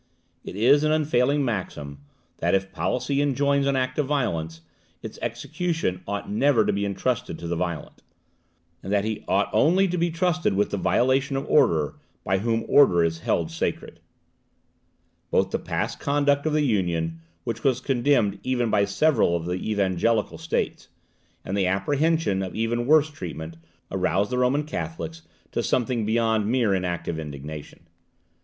It is an unfailing maxim, that, if policy enjoins an act of violence, its execution ought never to be entrusted to the violent; and that he only ought to be trusted with the violation of order by whom order is held sacred. Both the past conduct of the Union, which was condemned even by several of the evangelical states, and the apprehension of even worse treatment, aroused the Roman Catholics to something beyond mere inactive indignation.